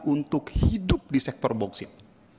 untuk hidup di sektor bauksit